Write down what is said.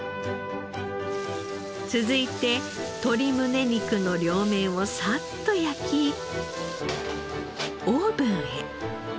続いて鶏胸肉の両面をサッと焼きオーブンへ。